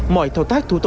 mọi thao tác thu thông